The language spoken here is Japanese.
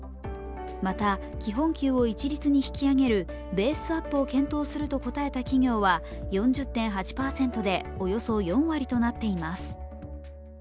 また、基本給を一律に引き上げるベースアップを検討すると答えた企業は４０．８％でおよそ４割となっています。